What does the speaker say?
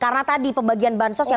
karena tadi pembagian bahan sosial